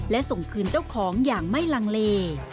และส่งคืนเจ้าของอย่างไม่ลังเล